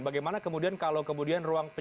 bagaimana kemudian kalau kemudian